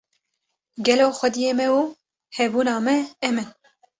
Gelo xwedyê me û hebûna me em in